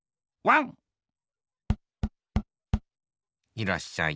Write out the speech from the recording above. いらっしゃい。